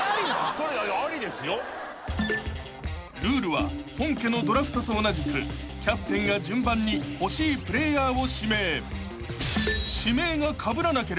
［ルールは本家のドラフトと同じくキャプテンが順番に欲しいプレーヤーを指名］